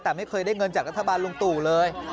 แต่ไม่เคยได้เงินจากรัฐบาลลุงตู่เลย